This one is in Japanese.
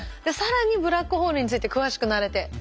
更にブラックホールについて詳しくなれて。